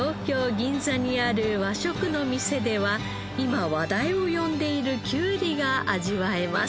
銀座にある和食の店では今話題を呼んでいるきゅうりが味わえます。